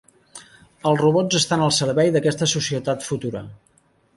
Els robots estan al servei d'aquesta societat futura.